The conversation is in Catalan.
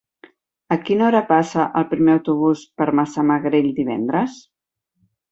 A quina hora passa el primer autobús per Massamagrell divendres?